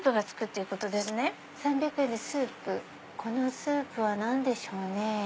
このスープは何でしょうね？